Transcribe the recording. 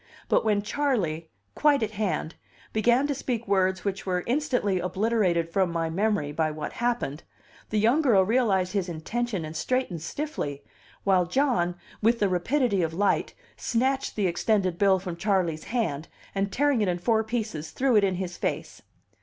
But when Charley, quite at hand, began to speak words which were instantly obliterated from my memory by what happened, the young girl realized his intention and straightened stiffly, while John, with the rapidity of light, snatched the extended bill from Charley's hand, and tearing it in four pieces, threw it in his face.